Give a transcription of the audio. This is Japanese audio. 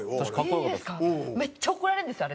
めっちゃ怒られるんですよ